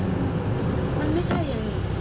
ในความที่เขากลัวนี่